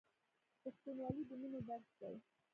پښتونولي د مینې درس دی.